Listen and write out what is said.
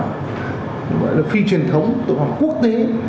gọi là phi truyền thống tội phạm quốc tế